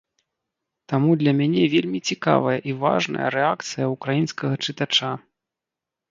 Таму для мяне вельмі цікавая і важная рэакцыя ўкраінскага чытача.